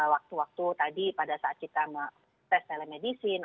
waktu waktu tadi pada saat kita tes telemedicine